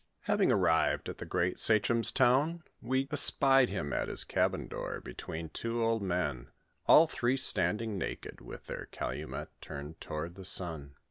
TTnving arrived at tho groat Bacliom^s town, we espied him at his cabin door, between two old men, all three standing naked, with their calumet turned to the sun.